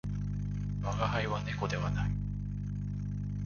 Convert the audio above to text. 我が輩は猫ではない